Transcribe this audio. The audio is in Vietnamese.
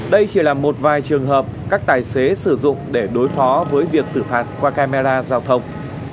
đây chỉ là một vài trường hợp các tài xế sử dụng để đối phó với việc xử phạt qua camera giao thông